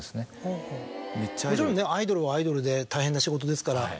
もちろんねアイドルはアイドルで大変な仕事ですから。